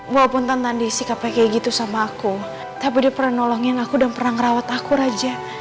walaupun tentang disikapnya kayak gitu sama aku tapi dia pernah nolongin aku dan pernah ngerawat aku raja